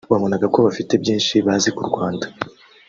wabonaga ko bafite byinshi bazi ku Rwanda